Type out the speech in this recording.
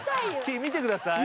見てください。